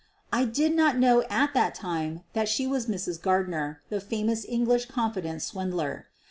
I did not know at that time that she was Mrs. Gardner, the famous English confidence swindler.